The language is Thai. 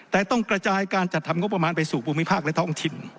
แต่ต้องกระจายการจัดทำงบประมาณไปสู่ภูมิภาคและท้องถิ่น